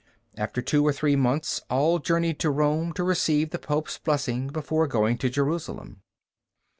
After two or three months all journeyed to Rome to receive the Pope's blessing before going to Jerusalem.